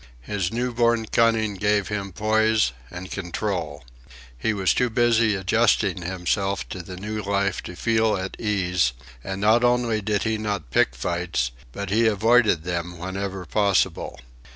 His newborn cunning gave him poise and control. He was too busy adjusting himself to the new life to feel at ease, and not only did he not pick fights, but he avoided them whenever possible.